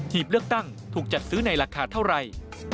เลือกตั้งถูกจัดซื้อในราคาเท่าไหร่